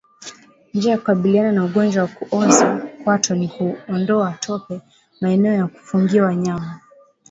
Njia ya kukabiliana na ugonjwa wa kuoza kwato ni kuondoa tope maeneo ya kufungia wanyama